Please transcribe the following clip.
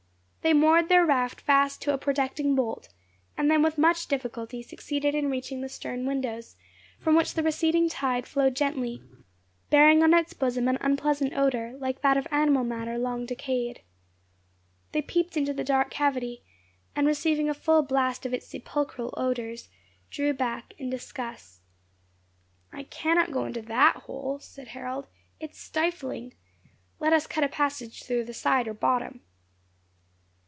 They moored their raft fast to a projecting bolt, and then, with much difficulty, succeeded in reaching the stern windows, from which the receding tide flowed gently, bearing on its bosom an unpleasant odour, like that of animal matter long decayed. They peeped into the dark cavity, and receiving a full blast of its sepulchral odours, drew back in disgust. "I cannot go into that hole," said Harold, "it is stifling. Let us cut a passage through the side or bottom."